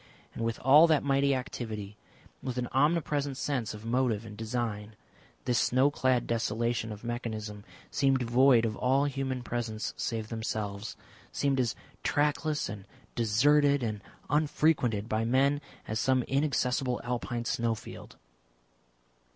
And with all that mighty activity, with an omnipresent sense of motive and design, this snow clad desolation of mechanism seemed void of all human presence save themselves, seemed as trackless and deserted and unfrequented by men as some inaccessible Alpine snowfield.